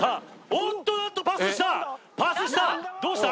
おっとなんとパスしたパスしたどうした？